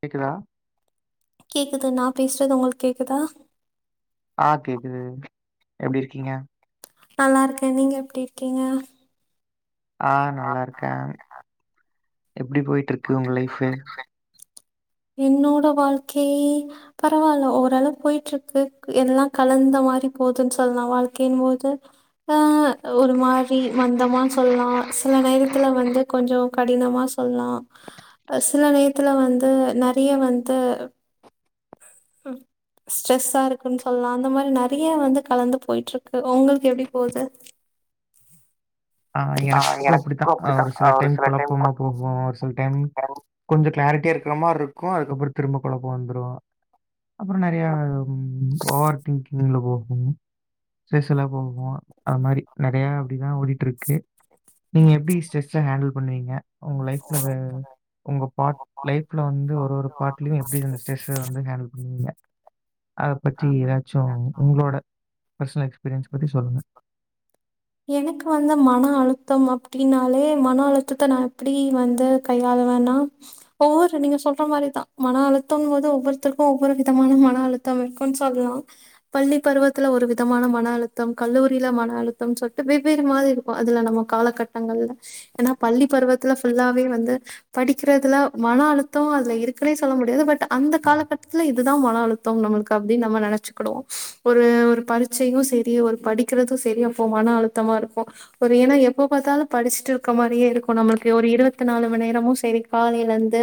கேக்குதா கேக்குதுன்ன நான் பேசுறது உங்களுக்கு கேக்குதா ஆஹ் கேக்குது எப்படி இருக்கீங்க நல்லா இருக்கேன் நீங்க எப்படி இருக்கீங்க ஆஹ் நல்லா இருக்கேன் எப்படி போயிட்டு இருக்கு உங்க லைஃப் என்னோட வாழ்க்கை பரவால்ல ஓரளவு போயிட்டு இருக்கு எல்லா கலந்த மாரி போதுன்னு சொல்லலா வாழ்க்கின் போது ஆஹ் ஒரு மாரி மந்தமா சொல்லலா சில நேரத்துல வந்து கொஞ்ச கடினமா சொல்லா சில நேரத்துல வந்து நறைய வந்து ஸ்ட்ரெஸா இருக்குன்னு சொல்லலா அந்த மாரி நெறையா வந்து கலந்து போயிட்டு இருக்கு உங்களுக்கு எப்படி போகுது ஆ எனக்கு அப்படித்தா ஒரு சில டைம் கொழப்பமா போகு ஒரு சில டைம் கொஞ்ச கிளாரிட் டே இருக்கிற மாரி இருக்கு அதுக்கப்பற திரும்ப கொழப்ப வந்துரும் அப்புற நறையா ஓவர் திங்கிங் போகு [unintelligible] போகு அது மாரி நறையா அப்படிதா ஓடிட்டு இருக் கு நீங்க எப்படி ஸ்டரெஸ்ஸ ஹேண்டில் பண்ணுவீங்க உங்க லைஃப்ல உங்க பார்ட் லைஃப்ல வந்து ஒரு ஒரு பார்ட்லயும் எப்படி அந்த ஸ்ட்ரெஸ்ஸ வந்து ஹேண்டில் பண்ணுவீங்க அத பத்தி ஏதாச்சு உங்களோட பர்சனல் எக்ஸ்பீரியன்ஸ் பத்தி சொல்லுங்க எனக்கு வந்து மன அழுத்தம் அப்படினாலே மன அழுத்தத்த நா எப்படி வந்து கையாளுவேனா ஒவ்வொரு நீங்க சொல்ற மாரிதா மன அழுத்தம்னு போது ஒவ்வொருத்தருக்கு ஒவ்வொரு விதமான மன அழுத்தம் இருக்கும்ன்னு சொல்லலா பள்ளி பருவத்துல ஒரு விதமான மன அழுத்தம் கல்லூரியில மன அழுத் தம் சொல்ட்டு வெவ்வேறு மாதிரி இருக்கு அதுல நம்ம காலகட்டங்கள்ல ஏன்னா பள்ளி பருவத்துல ஃபுல்லாவே வந்து படிக்கிறதுல மன அழுத்த அதுல இருக்குனே சொல்ல முடியாது பட் அந்த காலகட்டத்துல இதுதா மன அழுத்த நம்மளுக்கு அப்படின்னு நம்ம நினைச்சுக்கனு ஒரு ஒரு பரீட்சையு செரி ஒரு படிக்கிறது செரி மன அழுத்தமா இருக்கு ஒரு ஏன்னா எப்போ பாத்தாலு படிச்சுட்டு இருக்க மாரியே இருக்கு நம்மளுக்கு ஒரு இருபத்தி நாலு மணி நேரமு செரி காலையில இருந்து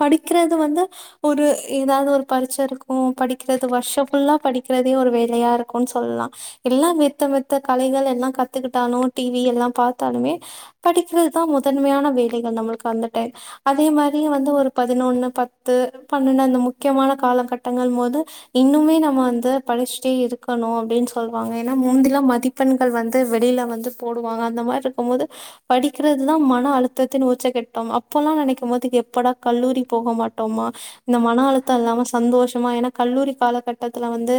படிக்கிறது வந்து ஒரு ஏதாவது ஒரு பரிச்சை இருக்கு படிக்கிறது வருஷம் ஃபுல்லா படிக்கிறதே ஒரு வேலையா இருக்கும்ன்னு சொல்லலா எல்லா வைத்து மத் த கலைகள் எல்லா கத்துக்கிட்டாலு டிவி எல்லா பாத்தாலுமே படிக்கிறதுதா முதன்மையான வேலைகள் நம்மளுக்கு அந்த டைம் அதே மாரி வந்து ஒரு பதினொன்னு பத்து பன்னெண்டு அந்த முக்கியமான காலகட்டங்கள் போது இன்னுமே நம்ம வந்து படிச்சிட்டே இருக்கணு அப்படின்னு சொல்லுவாங்க ஏன்னா முந்திலா பாத் மதிப்பெண்கள் வந்து வெளில வந்து போடுவாங்க அந்த மாரி இருக்கும் போது படிக்கிறதுதா மன அழுத்தத்தின் உச்சகட்டம் அப்போல்லா நெனைக்கும் போது எப்படா கல்லூரி போக மாட்டோமா இந்த மன அழுத்த இல்லாம சந்தோஷமா ஏன்னா கல்லூரி காலகட்டத்துல வந்து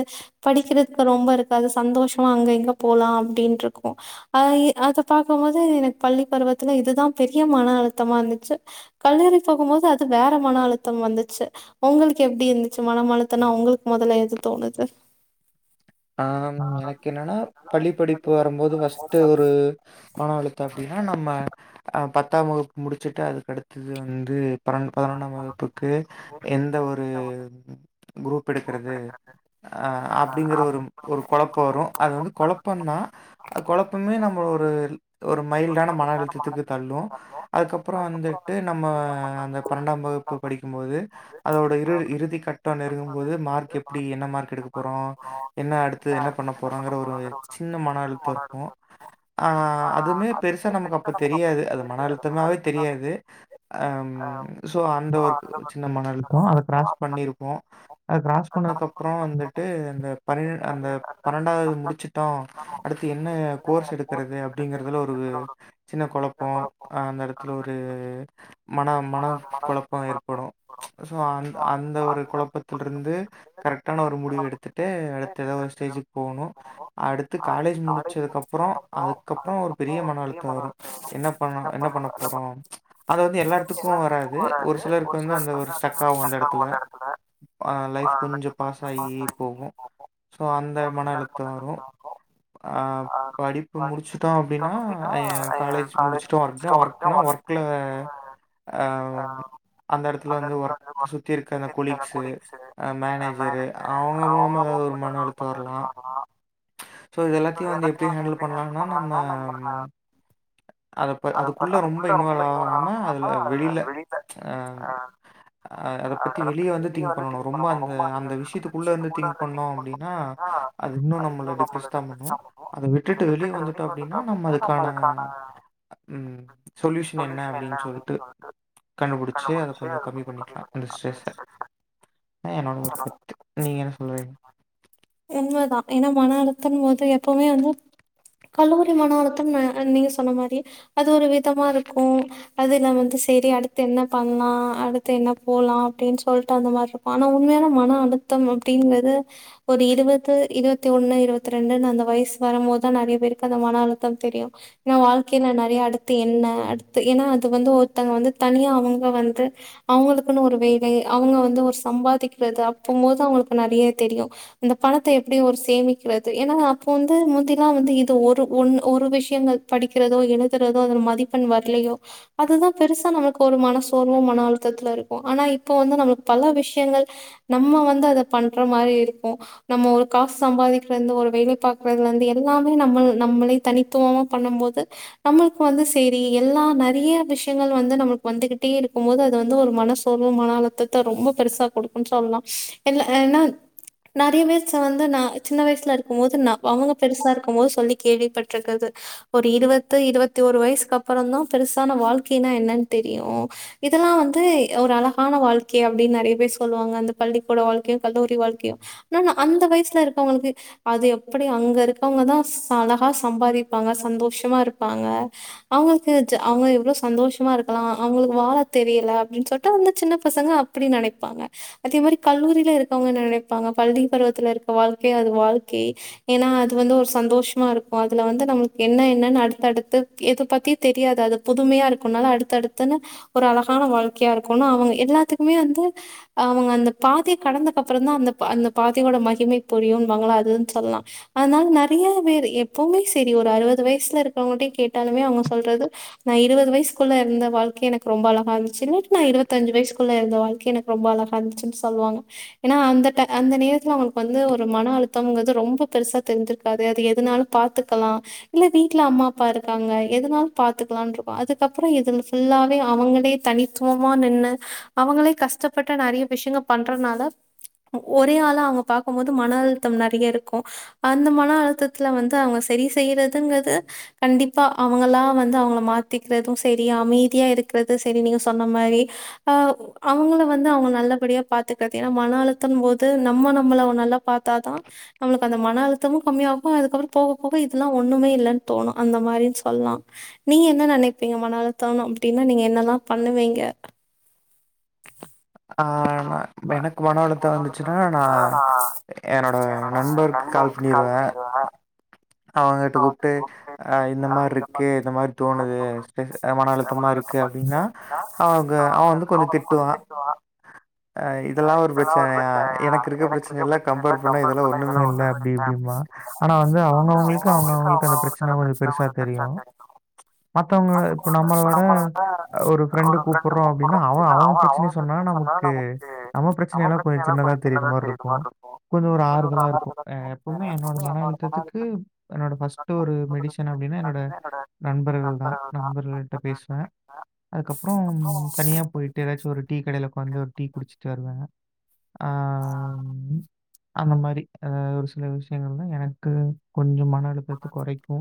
படிக்கிறதுக்கு ரொம்ப இருக்காது சந்தோஷமா அங்க இங்க போலாம் அப்படின்னு இருக்கு அ அத பாக்கும் போது எனக்கு பள்ளி பருவத்துல இதுதா பெரிய மன அழுத்தமா இருந்துச்சு கல்லூரி போகும்போது அது வேற மன அழுத்தம் வந்துச்சு உங்களுக்கு எப்படி இருந்துச்சு மன மழுத்தனா உங்களுக்கு மொதல்ல எது தோணுது ஆ ம் எனக்கு என்னன்னா பள்ளி படிப்பு வரம்போது ஃபர்ஸ்ட் ஒரு அப்படின்னா நம்ம அ பத் த்தாம் வகுப்பு முடிச்சுட்டு அதுக்கு அடுத்தது வந்து பதன் பதனொன்னாம் வகுப்புக்கு எந்த ஒரு குரூப் எடுக்கறது அ அப்படிங்கற ஒரு ஒரு கொழப்ப வரு அது வந்து கொழப்பந்தா அ கொழப்பமே நம்ம ஒரு ஒரு மைல்டான மன அழுத்தத்துக்கு தள்ளு அதுக்கப்புற வந்துட்டு நம்ம அந்த பன்னெண்டாம் வகுப்பு படிக்கும்போது அதோட இறு இறுதி கட்டம் நெருங்கும்போது மார்க் எப்படி என்ன மார்க் எடுக்க போறோ என்ன அடுத்து என்ன பண்ண போறங்கிற ஒரு சின்ன மன அழுத்த இருக்கு அ அதுமே பெருசா நமக்கு அப்ப தெரியாது அது மன அழுத்தமாவே தெரியாது அ சோ அந்த ஒர்க் சின்ன மன அழுத்த அத கிராஸ் பண்ணிருப்போ அத கிராஸ் பண்ணதுக்கு அப்புற வந்துட்டு அந்த பணி அந்த பன்னெண்டாவது முடிச்சுட்டோ அடுத்து என்ன கோர்ஸ் எடுக்கறது அப்படிங்கறதுல ஒரு சின்ன கொழப்ப அந்த எடத்துல ஒரு மன மனக் குழப்ப ஏற்படு சோ அந்த அந்த ஒரு கொழப்பத்திலருந்து கரெக்டான ஒரு முடிவு எடுத்துட்டு அடுத்து எதா ஒரு ஸ்டேஜ்க்கு போகனு அடுத்து காலேஜ் முடிச்சதுக்கப்றம் அதுக்கப்பறம் ஒரு பெரிய மன அழுத்த வரு என்னப் பண்ண என்ன பண்ண போறோ அது வந்து எல்லார்த்துக்கு வராது து ஒரு சிலருக்கு வந்து அந்த ஸ்டக் ஆகு அந்த எடத்துல ஆ லைஃப் கொஞ்சம் பாஸாகி போகு சோ அந்த மன அழுத்த வரும் அ படிப்பு முடிச்சுட்டோ அப்படின்னா அ எ காலேஜ் முடிச்சுட்ட ஒர்க் டா ஒர்க்னா ஒர்க்ல அ அந்த இடத்துல வந்து ஒர்க சுத்தி இருக்கு அந்த கொலிக் சு ஆ மேனேஜ் ஜிரே அவங்க மூலமா ஏதாவது ஒரு ம் எழுத்து வர்லா ம்ச் சோ இது எல்லாத்தையு வந்து எப்டி ஹேண்டில் பண்ணலான்னா நம்ம உம் அதப்ப அதுக் உள்ள ரொம்ப இன்வால்வ் ஆகாம அதுல வ் வெளியில ம்ச் அம் அ அதுப் பத்தி வெளியே வந்து திங்க் பண்ணணும் ரொம்ப அந்த அந்த விஷயத்துக்குள்ள இந்து திங்க் பண்ணோ அப்டின்னா அது இன்னு நம்மள டிப்ரெஸ் தா பண்ணு அத விட்டுட்டு வெளிய வந்துட்டோ அப்டின்னா நம்ம அதுக் நமளுக்கான உம் சொல்யூஷன் என்னப் என்ன அப்டின் சொல்ட்டு ம்ச் கண்டுபுடிச்சு அத கொஞ்சோ கம்மி பண்ணிக்கலா அந்த ஸ்ட்ரெஸ் அ அ என்னோட ஒரு கருத்து நீங்க என்ன சொல்றீங் உண்மதா ஏன்னா மன அழுத்தம் வன்ட்டு எப்போவுமே வந்து கல்லூரி மன அழுத்தம் அ அ நீங்க சொன்ன மாரி அது ஒரு விதமா இருக்கு, அதுன வந்து சேரி அடுத்து என்ன பண்லா அடுத்து என்ன போலா அப்டின் சொல்ட்டு அந்த மாரிருப்போ ஆனா உண்மையான மன அழுத்தம் அப்டிங்கது ஒரு இருவத் த்து இருவத்தி ஒண்ணு இருவத்தி ரெண்டுன்னு அந்த வயசு வரும் போதான் நெறைய பேருக்கு அந்த மன அழுத்தம் தெரியும் ஏன்னா வாழ்க்கையில நிறைய அடுத்து என்ன அடுத்து ஏன்னா அது வந்து ஒருத்தங்க வந்து தனியா அவங்க வந்து அவங்களுக்குன்னு ஒரு வேலை அவங்க வந்து ஒரு சம்பாதிக்கிறது அப்பம் போது அவங்களுக்கு நெறைய தெரியு அந்தப் பணத்த எப்டி ஒரு சேமிக்கிறது ஏன்னா அப்போ வந்து முந்திலா வந்து இது ஒரு ஒண்ணு ஒரு விஷயங்கள் படிக்கிறதோ எழுதுறதோ அதுல மதிப்பெண் வரலையோ அதுதா பெருசா நமக்கு ஒரு மன சோர்வு மன அழுத்தத்துல இருக்கும் ஆனா இப்போ வந்து நம்மளுக்கு பல விஷயங்கள் நம்ம வந்து அத பண்ற மாரி இருக்கு நம்ம ஒரு காசு சம்பாதிக்கிறதுல இந்து ஒரு வேலை பாக்கறதுல இந்து எல்லாமே நம்மள் நம்மளே தனித்துவமா பண்ணு போது நம்மளுக்கு வந்து சேரி எல்லா நெறைய விஷயங்கள் வந்து நம்மளுக்கு வந்துகிட்டே இருக்கு போது அது வந்து ஒரு மனசோர்வு மன அழுத்தத்த ரொம்ப பெருசா குடுக்குன் சொல்லா எல்ல ஏன்னா நெறைய பேர் சோ வந்து நா சின்ன வயசுல இருக்கு போது ந அவங்க பெருசா இருக்கு, போது சொல்லி கேள்விப்பட்டிருக்குது ஒரு இருவத்து இருவத்தி ஒரு வயசுக்கு அப்றோ தா பெருசான வாழ்க்கைனா என்னன்னு தெரியு, இதெல்லா வந்து ஒரு அழகான வாழ்க்கை அப்டின்னு நெறைய பேர் சொல்லுவாங்க அந்த பள்ளிக்கூட வாழ்க்கையு கல்லூரி வாழ்க்கையு ஆன நா அந்த வயசுல இருக்கவங்களுக்கு அது எப்படி அங்க இருக்கவங்கதான் ச அழகா சம்பாரிப்பாங்க சந்தோஷமா இருப்பாங்க அவங்களுக்கு ஜ அவங்க எவ்ளோ சந்தோஷமா இருக்கலா அவங்களுக்கு வாழ தெரியல அப்டின்னு சொல்ட்டு அந்த சின்ன பசங்க அப்டி நெனைப்பாங்க அதே மாரி கல்லூரியில இருக்கவங்க நெனைப்பாங்க பள்ளி பருவத் த்துல இருக்க வாழ்க்கைய அது வாழ்க்கை ஏன்னா அது வந்து ஒரு சந்தோஷமா இருக்கும் அதுல வந்து நம்ளுக்கு என்ன என்னன்னு அடுத்தடுத்து எத பத்தியு தெரியாது அது புதுமையா இருக்கும்னால அடுத்தடுத்துன்னு ஒரு அழகான வாழ்க்கையா இருக்குனு அவங்க எல்லாத்துக்குமே வந்து அவங்க அந்த பாதைய கடந்தக்க அப்றோ தா அந்த பா அந்த பாத் [unintelligible] மகிமை புரியும்பாங்களா அதுனு சொல்லலா அதனால நெறையா பேரு எப்பவுமே சேரி ஒரு அறுபது வயசுல இருக்கவுட்டே கேட்டாலூமே அவங்க சொல்றது நான் இருவது வயசுக்குள்ள இருந்த வாழ்க்கை எனக்கு ரொம்ப அழகா இருந்துச்சு நா இருவத்தஞ்சு வயசுக்குள்ள இருந்த வாழ்க்கை எனக்கு ரொம்ப அழகா இருந்துச்சுன்னு சொல்லுவாங்க ஏன்னா அந்த ட அந்த நேரத் இது அவங்களுக்கு வந்து ஒரு மன அழுத்தம்ங்கறது ரொம்ப பெருசா தெரிஞ்சிருக்காது அது எதுனாலும் பாத்துக்கலாம் இல்ல வீட்டுல அம்மா அப்பா இருக்காங்க எதுனாலும் பாத்துக்கலான்ருக்கு அதுக்கப்றோ இதுல ஃபுல்லாவே அவங்களே தனித்துவமா நின்னு அவங்களே கஷ்டப்பட்டு நெறைய விஷயங்க பண்றதுனால ஓ ஒரே ஆளா அவங்க பாக்கும் போது மன அழுத்தம் நெறையா இருக்கும் அந்த மன அழுத்தத்துல வந்து அவங்க செரி செய்யறதுங்கிறது கண்டிப்பா அவங்களா வந்து அவங்கள மாத்திக்கறதும் சேரி அமைதியா இருக்கிறது சேரி நீங்க சொன்ன மாரி அ அவங்கள வந்து அவங்கள நல்லபடியா பாத்துக்கிறது ஏனா மன அழுத்தம் போது நம்ம நம் நம்மள ஒ நல்லா பாத்தா தா நம்மளுக்கு அந்த மன அழுத்தமு கம்மியாகு அதுக்கப்புறோ போக போக இதெல்லா ஒண்ணுமே இல்லைன்னு தோணு அந்த மாரின்னு சொல்லா நீங்க என்ன நினைப்பீங்க மன அழுத்தம்னு அப்டின்னா நீங்க என்னெல்லா பண்ணுவீங்க ஆ, நா எனக்கு மன அழுத்தோ வந்துச்சுன்னா நா என்னோட நண்பருக்கு கால் பண்ணிருவே அவங்கிட்ட கூப்பிட்டு அ இந்த மார்ருக்கு இந்த மாரி தோணுது [unintelligible] ஆ மன அழுத்தமா இருக்கு அப்டின்னா அவங்க அவன் வந்து கொஞ்சோ திட்டுவா அ இதெல்லா ஒரு பிரச்சனையா எனக்கு இருக்க பிரச்சனை எல்லாம் கம்பேர் பண்ணா இதெல்லா ஒண்ணுமே இல்ல அப்படி இப்படிம்பா ஆனா வந்து அவங்க அவங்களுக் இப்ப அவங்களுக்கு அவங்க அவங்கிட்ட அந்த பிரச்சனை கொஞ்சோ பெருசாக தெரியு மத்தவங்க அதுக்கப்றோ இப்ப வந்து இப்போ நம்மளோட நம்மளட ஒரு ஃப்ரெண்டு கூப்பறோ அப்டின்னா அவன் அவன் பிரச்சனைய சொன்னா நமக்கு நம்ம பிரச்சனை எல்லா கொஞ்சோ சின்னதாக தெரியிற மாரி இருக்கும் கொஞ்சம் ஒரு கொஞ்சோ ஆறுதலா இருக்கும். அ எப்பவுமே என்னோட மன அழுத்தத்துக்கு [inaudible] என்னோட ஃபர்ஸ்ட் ஒரு மெடிசன் அப்டின்னா என்னோட நண்பர்கள் தான் நண்பர்கள் கிட்ட பேசுவே அதுக்கப்பறோ தனியா போயிட்டு ஏயதாச்சும் ஒரு டீ கடையில உக்காந்து ஒரு டீ குடிச்சிட்டு வருவே ஆ அந்த மாரி அ ஒரு சில விஷயங்கள்ந்து எனக்கு கொஞ்சமா நாலு பேத்துக்கு ஒறைக்கு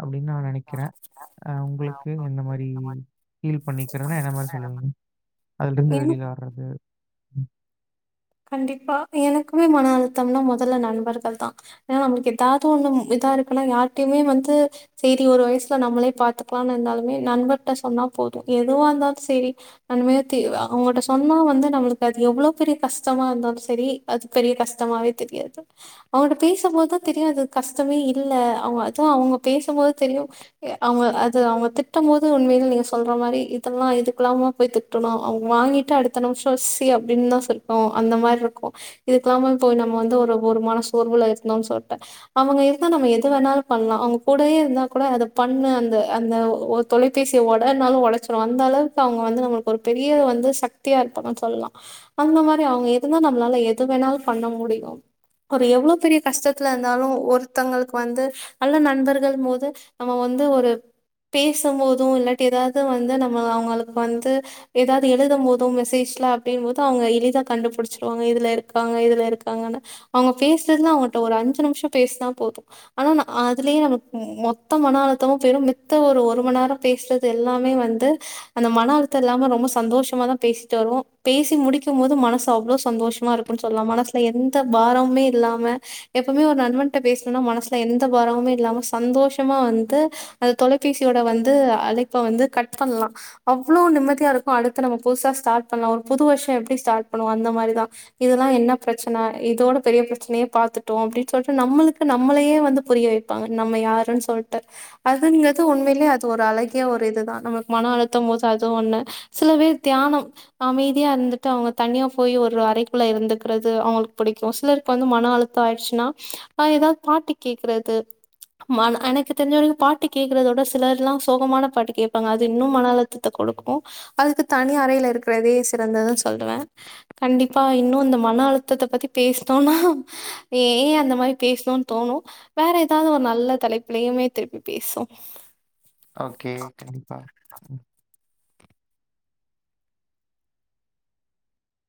அப்டின்னு நா நெனைக்கிறே அ உங்களுக்கு எந்த மாரி ஃபீல் பண்ணிக்கரனா என்ன மாரி சொல்லுவீங்க அதுல இருந்து ஏன்னா வெளில வரது உம் கண்டிப்பா எனக்குமே மன அழுத்தம்னா மொதல்ல நண்பர்கள் தான் ஏன்னா நம்மளுக்கு ஏதாவது ஒண்ணு இதா இருக்குன்னா யார்கிட்டையுமே வந்து சரி ஒரு வயசுல நம்மளே பாத்துக்கலாம்னு இருந்தாலுமே நண்பர்கிட்ட சொன்னா போதும் எதுவா இருந்தாலும் செரி நன்மையே தீமொ அவங்கிட்ட சொன்னா வந்து நம்மளுக்கு அது எவ்வளவு பெரிய கஷ்டமா இருந்தாலும் சரி அது பெரிய கஷ்டமாவே தெரியாது அவன்ட பேசும்போதுதான் தெரியும் அது கஷ்டமே இல்ல அவங்க அதுவும் அவங்க பேசும்போது தெரியும் அவங்க அது அவங்க திட்டும் போது உண்மையில நீங்க சொல்ற மாதிரி இதெல்லாம் இதுக்கல்லாம போய் திட்டணும் அவங்க வாங்கிட்டு அடுத்த நிமிஷம் சி அப்படின்னு தான் சொல்லி கும் அந்த மாதிரி இருக்கும் இதுக்க இல்லாம போய் நம்ம வந்து ஒரு ஒருமான சோர்வுல இருக்கந்தோம்னு சொல்லி அவங்க இருந்தா நம்ம எது வேணாலும் பண்ணலாம் அவங்க கூடயே இருந்தா கூட அத பண்ணு அந்த அந்த தொலைபேசியை ஒடனாலும் ஒடைச்சிடும் அந்த அளவுக்கு அவங்க வந்து நம்மளுக்கு ஒரு பெரிய வந்து சக்தியா இருப்பாங்கு சொல்லலாம் அந்த மாரி அவங்க இருந்தா நம்மளால எது வேணாலும் பண்ண முடியும் ஒரு எவ்வளோ பெரிய கஷ்டத்துல இருந்தாலும் ஒருத்தங்களுக்கு வந்து நல்ல நண்பர்கள் போது நம்ம வந்து ஒரு பேசும் போதும் இல்லாடி ஏதாவது வந்து நம்ம அவங்களுக்கு வந்து எதாவது எழுதும் போதும் மெசேஜ்ல அப்படின்போது அவங்க எத கண்டுபிடிச்சிருவாங்க இதுல இருக்காங்க இதுல இருக்காங்கனு அவங்க பேசுறதுல அவங்கள்ட ஒரு அஞ்சு நிமிஷம் பேசனா போதும் ஆனா அதுலயே மொத்த மன அழுத்தமும் பெ மித்த ஒரு ஒரு மணி நேரம் பேசுறது எல்லாமே வந்து அந்த மன அழுத்தம் இல்லாம ரொம்ப சந்தோஷமா தான் பேசிட்டு வருவோம் பேசி முடிக்கும் போது மன அவ்ள சந்தோஷமா இருக்கும்னு சொல்லலாம் மனசுல எந்த பாரமுமே இல்லாம எப்பவுமே ஒரு நணபன்ட பேசலனா மனசுல எந்த பாரமுமே இல்லாம சந்தோஷமா வந்து அந்த தொலைபேசியோட வந்து அழைப்பை வந்து கட் பண்ணலாம் அவ்வளவு நிம்மதியா இருக்கும் அடுத்து நம்ம புதுசா ஸ்டார்ட் பண்ணலாம் ஒரு புது வருஷம் எப்படி ஸ்டார்ட் அந்த மாதிரிதான் இதெல்லாம் என்ன பிரச்சனை இதோட பெரிய பிரச்சனையே பார்த்துட்டோம் அப்படின்னு சொல்லிட்டு நம்மளுக்கு நம்மளையே வந்து புரிய வைப்பாங்க நம்ம யாருன்னு சொல்லிட்டு அதுங்கிறது உண்மையிலயே அது ஒரு அழகிய ஒரு இதுதான் நமக்கு மனம் அழுத்தும் போது அது ஒண்ணு சில பேர் தியானம் அமைதியா இருந்துட்டு அவங்க தனியா போய் ஒரு அறைக்குள்ள இருந்துக்கிறது அவங்களுக்கு பிடிக்கும் சிலருக்கு வந்து மன அழுத்தம் ஆயிடுச்சுன்னா ஏதாவது பாட்டு கேக்குறது ம எனக்கு தெரிஞ்சவரைக்கும் பாட்டு கேட்குறத விட சிலர்லாம் சோகமான பாட்டு கேட்பாங்க அது இன்னும் மன அழுத்தத்தை கொடுக்கும் அதுக்கு தனி அறில இருக்கிறதே சிறந்ததுன்னு சொல்லுவேன் கண்டிப்பா இன்னும் இந்த மன அழுத்தத்தை பத்தி பேசினோம்னா ஏன் அந்த மாதிரி பேசணும்னு தோணும் வேற ஏதாவது ஒரு நல்ல தலைப்பிலையுமே திருப்பி பேசுவொம் ஓகே கண்டிப்பா ம்